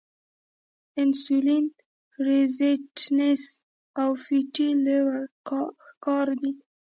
انسولین ريزسټنس او فېټي لیور ښکار دي -